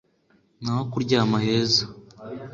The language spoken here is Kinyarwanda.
n’aho kuryama heza